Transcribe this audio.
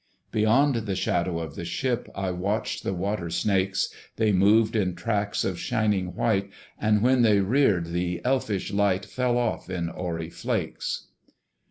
Beyond the shadow of the ship, I watched the water snakes: They moved in tracks of shining white, And when they reared, the elfish light Fell off in hoary flakes.